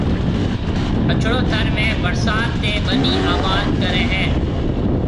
اڇڙو ٿر ۾ ڀرسات تَي ٻنِي آباد ڪرَي ھيََََ